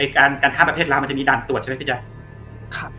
การข้ามประเทศลาวมันจะมีด่านตรวจใช่ไหมพี่แจ๊ค